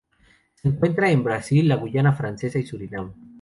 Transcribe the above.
Se encuentra en Brasil, la Guayana francesa y Surinam.